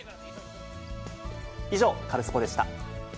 以上、カルスポっ！でした。